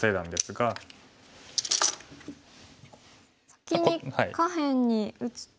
先に下辺に打つと。